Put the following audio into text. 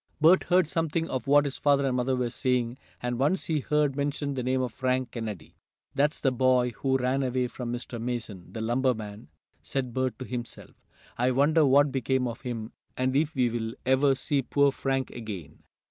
Bert heard something of what his father and mother were saying, and once he heard mentioned the name of Frank Kennedy. "That's the boy who ran away from Mr. Mason, the lumber man," said Bert to himself. "I wonder what became of him, and if we'll ever see poor Frank again?"